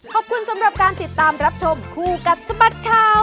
ขอบคุณสำหรับการติดตามรับชมคู่กับสบัดข่าว